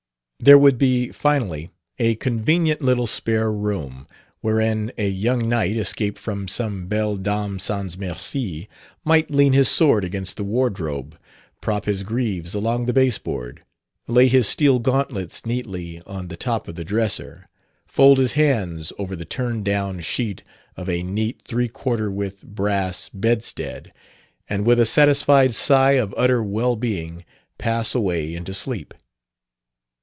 There would be, finally, a convenient little spare room, wherein a young knight, escaped from some "Belle Dame sans Merci," might lean his sword against the wardrobe, prop his greaves along the baseboard, lay his steel gauntlets neatly on the top of the dresser, fold his hands over the turned down sheet of a neat three quarter width brass bedstead, and with a satisfied sigh of utter well being pass away into sleep.